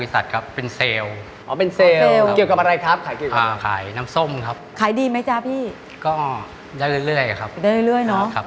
ได้เรื่อยนะครับครับค่ะครับครับครับ